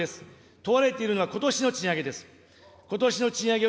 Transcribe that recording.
問われているのは、ことしの賃上げです。